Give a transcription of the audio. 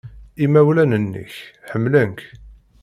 Imawlan-nnek ḥemmlen-k.